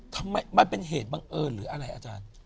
ทำไมมันเป็นเหตุบังเอิญหรืออะไรอาจารย์